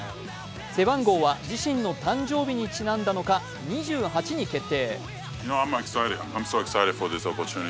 背番号は自身の誕生日にちなんだのか、２８に決定。